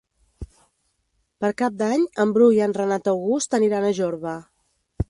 Per Cap d'Any en Bru i en Renat August aniran a Jorba.